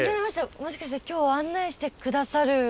もしかして今日案内して下さる。